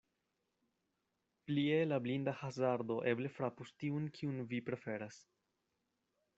Plie la blinda hazardo eble frapus tiun, kiun vi preferas.